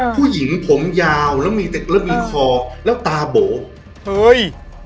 ผู้หญิงผมยาวแล้วมีตึกแล้วมีคอแล้วตาโบเฮ้ย